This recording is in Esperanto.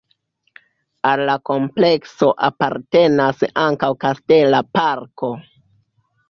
Al la komplekso apartenas ankaŭ kastela parko.